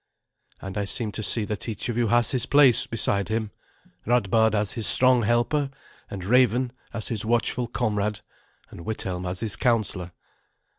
And I seem to see that each of you has his place beside him Radbard as his strong helper, and Raven as his watchful comrade, and Withelm as his counsellor.